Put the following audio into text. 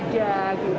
tidak ada apa namanya